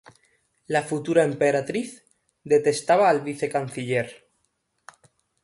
La futura emperatriz detestaba al vicecanciller.